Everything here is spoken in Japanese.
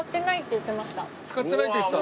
使ってないって言ってた？